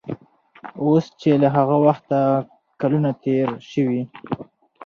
اوس چې له هغه وخته کلونه تېر شوي